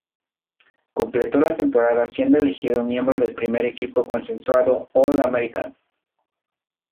Completó la temporada siendo elegido miembro del primer equipo consensuado All-American.